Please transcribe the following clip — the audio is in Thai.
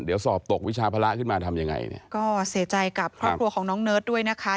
เดี๋ยวสอบตกวิชาภาระขึ้นมาทำยังไงเนี่ยก็เสียใจกับครอบครัวของน้องเนิร์ดด้วยนะคะ